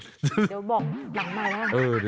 เดี๋ยวบอกหลังมาว่า